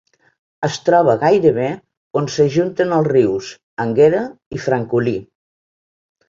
Es troba gairebé on s'ajunten els rius Anguera i Francolí.